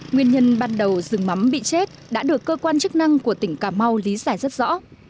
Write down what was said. nguyên nhân ban đầu rừng mắm bị chết đã được cơ quan chức năng của tỉnh cà mau lý giải rất rõ